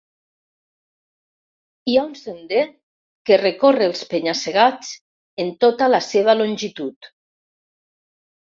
Hi ha un sender que recorre els penya-segats en tota la seva longitud.